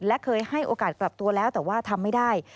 และเคยให้โอกาสปรับตัวแล้วแต่ว่าทำไม่ได้